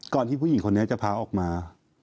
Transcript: ที่ผู้หญิงคนนี้จะพาออกมา